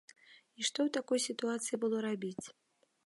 І што ў такой сітуацыі было рабіць?